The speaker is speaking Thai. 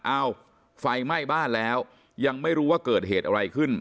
เอ้าไฟไหม้บ้านแล้วยังไม่รู้ว่าเกิดเหตุอะไรขึ้น